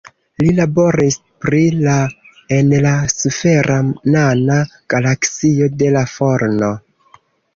Li laboris pri la en la sfera nana galaksio de la Forno.